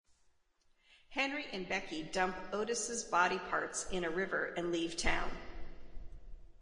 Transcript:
Henry and Becky dump Otis' body parts in a river and leave town.